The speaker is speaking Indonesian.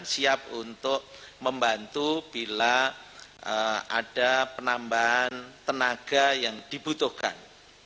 siap untuk membantu bila ada penambahan tenaga yang dibutuhkan